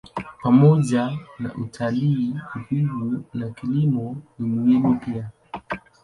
Pamoja na utalii, uvuvi na kilimo ni muhimu pia.